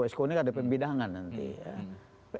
posko ini ada pembidangan nanti ya